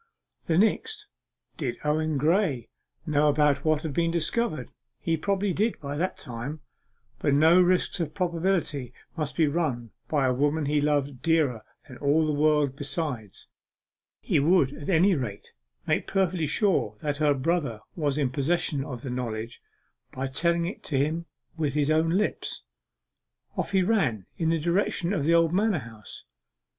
The next did Owen Graye know what had been discovered? He probably did by that time, but no risks of probability must be run by a woman he loved dearer than all the world besides. He would at any rate make perfectly sure that her brother was in possession of the knowledge, by telling it him with his own lips. Off he ran in the direction of the old manor house.